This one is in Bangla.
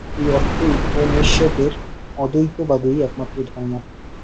এই অর্থে উপনিষদের অদ্বৈতবাদই একমাত্র ধর্ম।